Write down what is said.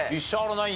ナイン